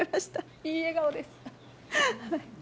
いい笑顔で。